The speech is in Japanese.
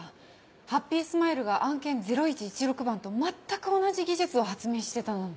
ハッピースマイルが案件０１１６番と全く同じ技術を発明してたなんて。